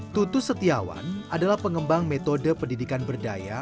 tutus setiawan adalah pengembang metode pendidikan berdaya